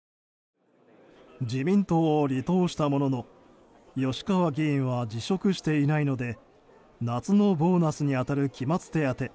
自民党を離党したものの吉川議員は辞職していないので夏のボーナスに当たる期末手当